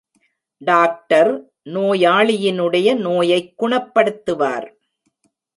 Doctor நோயாளியினுடைய நோயைக் குணப்படுத்துவார்.